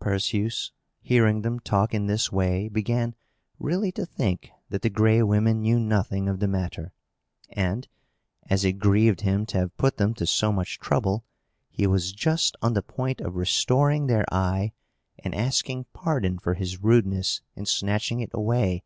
Perseus, hearing them talk in this way, began really to think that the Gray Women knew nothing of the matter; and, as it grieved him to have put them to so much trouble, he was just on the point of restoring their eye and asking pardon for his rudeness in snatching it away.